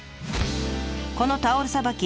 このタオルさばき